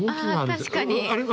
確かに。